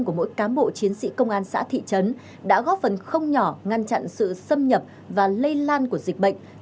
của mỗi cán bộ chiến sĩ công an xã thị trấn đã góp phần không nhỏ ngăn chặn sự xâm nhập và lây lan của dịch bệnh